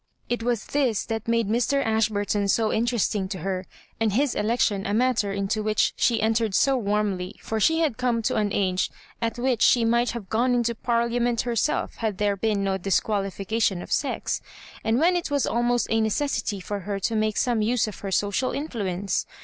It was this that made Mr. Ashburton so interesting to her, and his election a matter into which she entered so warmly, for she had come to an age at which she might have gone into Parliament herself had there been no disqualification of sex ; and when it was almost a necessity for her to make some use of her social influence.